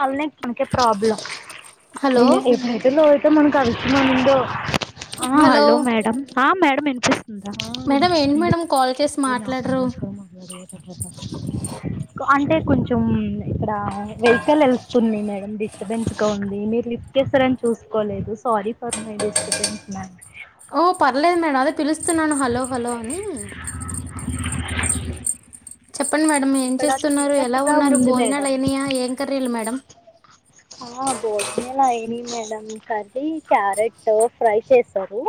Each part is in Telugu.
చాల మనక ప్రాబ్లమ్ హలో ఏైతే లో అే మనకు అలిసన్నా ముందు హలో మేడం మేడం వినిపిస్తుందా మేడం ఏంటి మేడం కాల్ చేసి మాట్లాడరు అంటే కొంచెం ఇక్కడ వె క్కేలు వెలుస్తుంది మేడంమ్ డిస్టబెన్స్ గా ఉంది మీరు లిఫేస్తారని చూసుకోలేదు sorry for my disturbance madam ఓ పర్లేదు మేడం అదే పిలుస్తున్నాను హలో హలో అని చెప్పు చెప్పండి మేడం ఏం ఇక్కడ చేస్తున్నారు ఎలా చీకట్టుగా ఉన్నారు ఉంది భోజనాలు మేడం అయినాయా ఏం కర్రీలు మేడం ఆ భోజనాలు అయినా మేడం సలి క్యారెట్ ఫ్రై చేసారు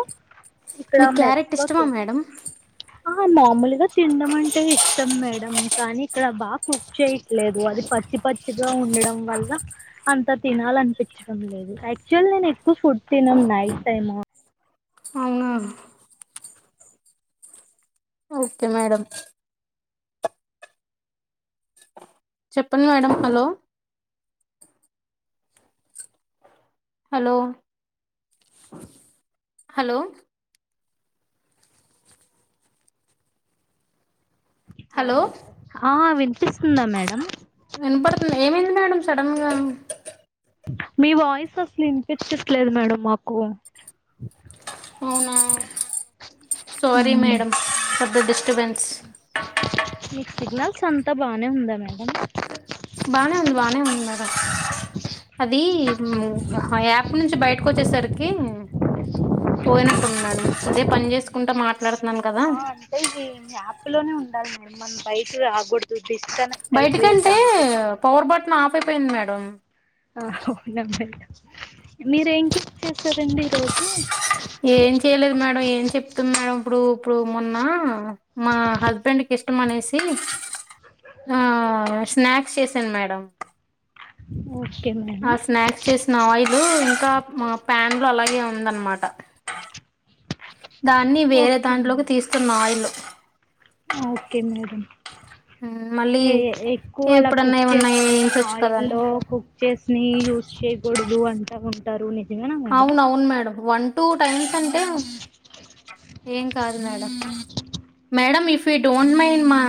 మీ క్యారెట్ ఇష్టమా మేడం ఆ మామూలుగా తినడం అంటే ఇష్టం మేడం కానీ ఇక్కడ బాగా కుక్ చేయట్లేదు అది పచ్చి పచ్చిగా ఉండడం వల్ల అంత తినాలనిపించడం లేదు యాక్చువల్ నేను ఎక్కువ ఫుడ్ తినను నైట్ టైమ్ అవునా ఓకే మేడం చెప్పండి madam hello hello hello hello హా వినపడుతుంది ఏమైంది మేడం సడన్గా మీ వాయిస్ అసలు ఇనిపించట్లేదు మేడం మాకు అవునా sorry hmm. Madam for the disturbance signals అంత బాగానే ఉందా మేడం బానే ఉంది బాగానే ఉంది మేడం అది యాప్ నుంచి బయటకు వచ్చేసరికి పోయినట్టున్నాడు ఇదే పని చేేసుకుంటా మాట ఆ అంటే ఇది యాప్ లోనే ఉండాలి మమ పైసు ఆ [unintelligible] బయటకంటే పవర్ బటన్ ఆ అయిపోయింది మేడం ఆ ఉవున్నా మీరు ఏంక చేస్తారండి ఈ రోజు ఏం చేయలేదు మేడం ఏం చెప్తాం మేడం ఇప్పుడు ఇప్పుడు మొన్న మా హస్బెండ్ కి ఇష్టం అనేసి ఆ స్నాక్స్ చేసాను మేడం టం ఓ ఆ స్నాక్స్ చేసిన ఆవాయిలు ఇంకా మా ప్యాన్ లో అలాగే ఉందనమాట దాన్ని వేరే ఓకే దాంట్లోకి మేడం తీస్తున్న ఆయిలు ఓకే మేడం ఎక్కువ అలా ఎప్పుడన్నా కుక్ ఏమన్నా చేసిని వేయించవచ్చు ఆయిల్ కదాని లో కుక్ చేసిని యూస్ చేయకూడదు అంటా ఉంటారు న అవున అవును మేడం వన్ టు టైమ్స్ అంటే ఏం కాదు madam madam if you don't mind మా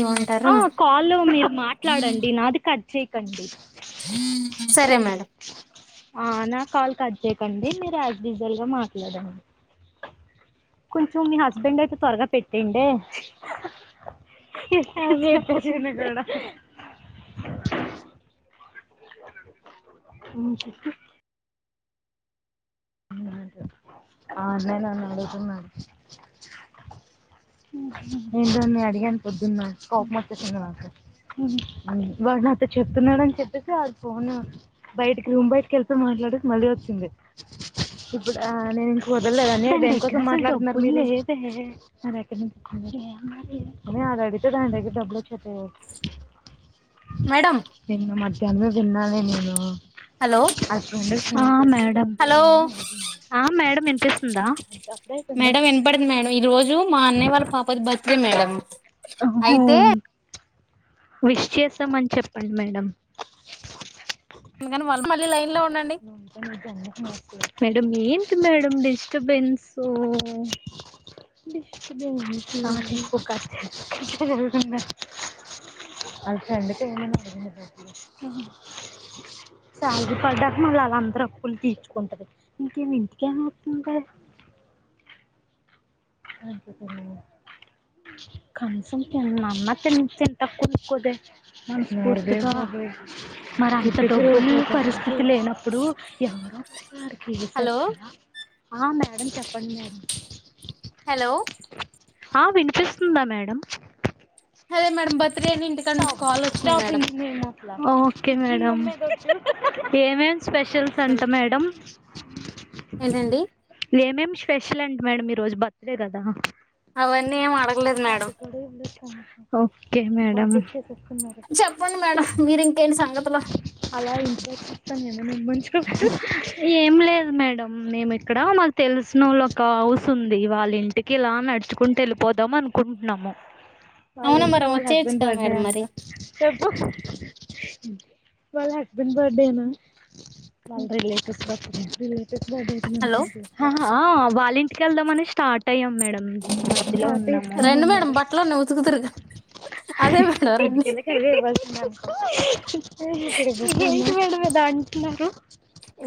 ఏమంటారు ఆ కాల్లో మీరు మాట్లాడండి నాది క కండి సరే మేడం ఆ నా కాల కదు అంతేకండి మీరు యాజడిజల్ గా మాట్లాడండి. కొంచెం మీ హస్బెండ్ అయితే త్వరగా పెట్టేండే చెప్ప కూడా అ చెప్పు ఆ అన్నే నన్ను అడుగుతున్నాడు. ఏంట అన్న అడిగాను పొద్దున్న కోపం వచ్చేసింది నాకు. ఇవాళ నాతో చెప్తున్నాడని చెప్పేసి, వాడు ఫోన్ బయటికి రూమ్ బయటకి వెళ్తూ మాట్లాడేసి మళ్ళీ వచ్చింది. ఇప్పుడు నేను ఇం వదలలేదని మాట్లాడుతు ద అలా అడిగితే దాని దగ్గర డబ్బులు వచ్చ మేడం ఎమన్నా మర్చ్ అన్నం తిన్నాలి నేను హలో ఆ మేడం హలో ఆ మేడం వినిపిస్తుందా అప్పుడే అయిపోయిందా జు మా అన్నయ్య వాళ్ళ పాప బర్త్ డే మేడం [inaudible] ఆహో అయితే విష్ చేస్తామని చెప్పండి మేడం అందుకని మళ్ల ఉంటా నీకు దండం పెడతా ఏంటి మేడం డిస్టబెన్స్ డిస్టబెన్స్ సాగు పడా మళ్ళ వాళ్ళ అందరి అప్పులు తీర్చుకుంటుంది. ఇంకేమి ఇంటికేం వత్తుంది. కంచం తిన్నాన్న తింటా కొనుకోదే మనస్పూర్తిగా మరీ అంత ఉంది పరిస్థితి లేనప్పుడు ఎవరున్నారు తెలుసా హలో అక్కడ ఆ మేడం చెప్పండి మేడం హలో ఆ వినిపిస్తుందా మేడం అదే మేడం బర్త్డే అని ఇంటికాడ నుంచి స్టాప్ కాల్ వచ్చినాయి stop madam in name of okay madam ఏమేమ్ స్పెషల్స్ అంట మేడం ఏంటండి ఏమేం స్పెషల్ అంట మేడం ఈరోజు బత్ ఇదే కదా అవన్నీ ఏం అడగలేదు మేడం వాటి కూడా ఇవ్వలేదు ఓకే మేడమ్ చెప్పండి మేడం చెప్పండి మేడం మీరు ఇంకేంటి సంగతులు అలా ఇంట్రెట్ చెప్తాను నేను ము ఏం లేదు మేడం మేము ఇక్కడ నాకు తెలిసిన వాళ్ళ ఒక హౌస్ ఉంది వాళ్ళ ఇంటికి ఇలా నడుచుకుంటూ వెళ్ళిపోదాం అనుకుంటున్నాము వాళ్ళ అవునా మరి ఇంట్లో వాళ్ళ వచ్చేయచ్చు హస్బెండ్ కదా బర్త్డే మేడం అంట మరి చెప్పు వాళ్ళ హస్బెండ్ బర్త్డేనా వాళ్ళ రిలేటివ్స్ హలో వచ్చారు హా వాళ్ళ ఇంట్ కి వెళ్దాం అని స్టార్ట్ యం మేడం మధ్యలో అ పార్టీ రండి మేడం ఇస్తామన్నారు. బట్టలోనే ఉతుకుతురు అదే మేడం రండి ఇంటికెళ్ళక అవే ఇవాళ్సింది ఎంటి మేడమ్ ఇది అంత ట్లారు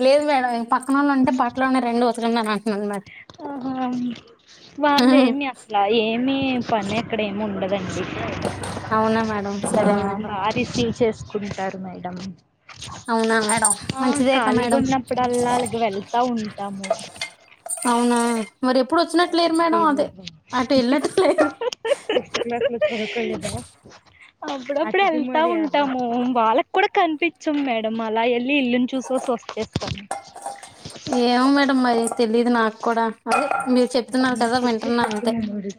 లేదు మేడం ఈ పక్ కావాలంటే బట్టలువున్నాయి రండి ఉంతుకుదురుఅని అంటున్నాను మేడమ్ ఆహా వాళ్ళు ఏమి అట్లా ఏమి పని అక్కడ ఏమి ఉండదండి అవునా మేడం ఆ సరే మేడం బాగా రిసీవ్ చేసుకుంటారు మేడం అవునా మేడం ఆ మంచిదేక ఖాళీ మేడం కొన్నప్పుడల్లా అలా వెళ్తా ఉంటాము అవునా మరి ఎప్పుడు వచ్చినట్లేరు మేడం అదే అటు వెళ్ళినట్లు లేరు సిక్స్త్ క్లాస్ లో చదువుకోలేదా అప్పుడప్పుడు వెళ్తా ఉంటాము వాళ్ళకి కూడా కనిపించమూ మేడమ్ అలా వెళ్ళి ఇల్లుని చూసిొసి వస్తేస్తాము ఏం మేడం మరి తెలీదు నాకు కూడా అదే మీరు చెప్తున్నారు అక్కడున్న కదా చెట్లు వింటున్నా పుట్ల అంతే మెమోరీస్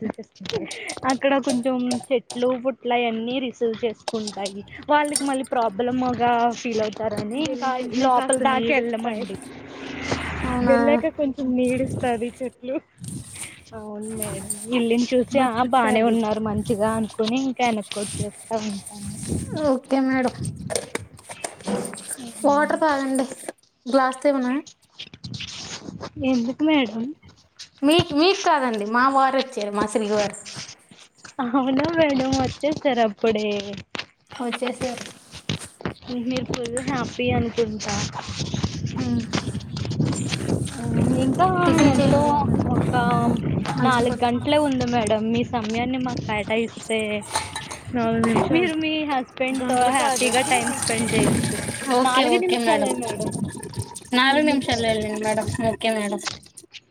అక్కడ కొంచం కొంచం చెట్లు పుట్లు అవన్నీ రిసీవ్ చేసుకుంటాయి వాళ్ళకి మళ్ళీ ప్రాబ్లమ్గా ఫీల్ అవుతారని లోపల దాక వెళ్ళాము అండి అవునా వెళ్ళాక కొంచెం నీడుస్త్ తవ్వి చెట్లు అవును మేడం ఇల్లుని చూసి ఆ బానే ఉన్నారు మంచిగా అనుకుని ఇంకా వెనక్కొచ్చెస్తా ఉంటామ్ ఓకే మేడమ్ మోటర్ కదండి గ్లాస్ తో ఇవనా ఎందుకు మేడమ్ మీకు మీకు కాదండి మా వారు వాచ్ ఇర్ మా శ్రీవార్ అవునా మేడం వచ్చేసారా అప్పుడే వొచ్చేసారు ఉహ్ మీరు ఫుల్ హ్యాపీ అనుకుంటా ఉమ్. ఉ ఇంక్ ఇంకా టిఫిన్ ఎంతో చేయండి అండి ఒక మంచిది నాలుగు పట్టు గంటలే ఉంది మేడం మీస్ సమయాన్ని మాకు కేటాయిస్తే అవును మీ మీరు మీ హస్బెండ్ తో హ్యాపీగా టైమ్ స్పెండ్ చేయొచ్చు ఓకే నాలుగు ఓకే మేడం నిమిషాలే మూడు నాలుగు నిమిషాలు నిమిషాలేలేండ్ మేడం ఓకే మేడం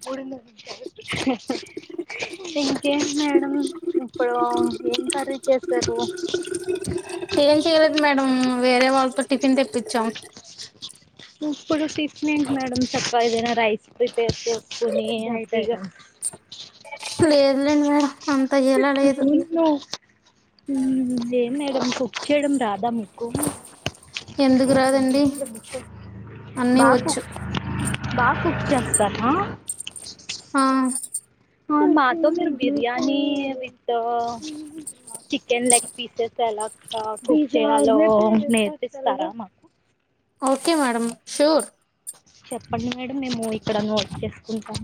మూడున్నర నిమిషాలుంది ఇంకేంటి మేడం ఇప్పుడు ఏం కరీ చేసారు ఏం చేయలేదు మేడం వేరే వాళ్ తో టిఫిన్ తెప్పించ్చాం ఇప్పుడు టిఫినేంటి మేడం చక్కగా ఎదైనా రైస్ ప్రిపేర్ చేసుకొని హ్యాపీ గా లేదులేండి మేడం అంత ఏలా లేదు ఉ ఏం మేడం కుక్ చేయడం రాదా మీకు ఎందుకు రాదండి ఎంతెంతో బుక్కకు అన్నీ బాపూ వచ్చు బా కుక్ చేస్తాను ఆ ఆ మాతో మీరు biryani with chicken leg pieces ఎలాగా కుక్ చేయాలో నేర్పిస్తారా మాకు ఓకే మేడం ష్యూర్ చెప్పండి మేడం మేము ఇక్కడ నోట్ చేసుకుంటాము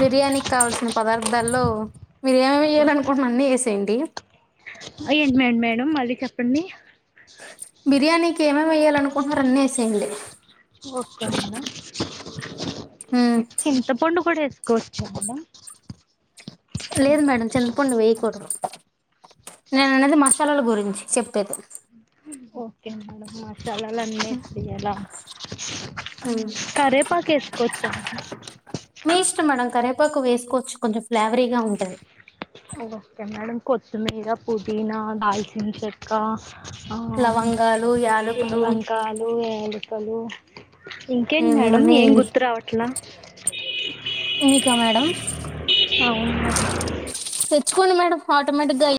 బిర్యానికీ కావల్సిన పదార్థాల్లో మీరెమెయ్యలనుకుంటున్నారో అన్ని ఎసేయండి అఏంటి మేడ్ మేడం మళ్ళీ చెప్పండి బిర్యానికి ఏమేమ్ ఎయ్యాలను కుహరన్నెసేయండి ఓకే మేడం [unintelligible] [inaudible] ఉ ప్పుడు వేసుకోొచ్చ మేడం లేదు మేడం చింతపండు వేయకూడదు నేననేది మసాలాల గురించి చెప్పేది ఓకే మేడం మ కరేపాక్ ఏసుకోొచ్చా పకు వేసుకోవచ్చు కొంచెం ఫ్లేవరీగా ఉంటది ఓకే మేడం కొత్తిమీర పుదీనా దాల్చిన చెక్క ఆ లవంగాలు యాలకులు లవంగాలు ఎల్ కలు ఇంకేంటి ఉమ్ మేడం అన్నీ ఏం గుర్తు రావట్లా మీకా మేడం అవును మ చ్చుకోండి మేడం ఆటోమేక్గా